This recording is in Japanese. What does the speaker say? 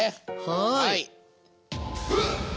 はい。